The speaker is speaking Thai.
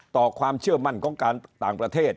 ต่อความเชื่อมั่นของการต่างประเทศ